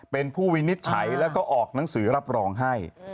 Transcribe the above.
เป็นผู้วินิจฉัยแล้วก็ออกหนังสือรับรองให้